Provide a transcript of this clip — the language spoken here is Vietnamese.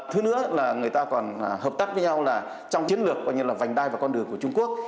thứ nữa là người ta còn hợp tác với nhau trong chiến lược vành đai và con đường của trung quốc